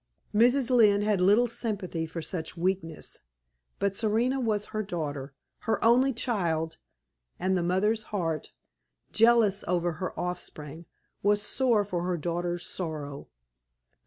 Mrs. Lynne had little sympathy with such weakness; but Serena was her daughter her only child and the mother's heart, jealous over her offspring, was sore for her daughter's sorrow.